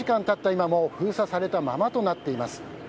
今も封鎖されたままとなっています。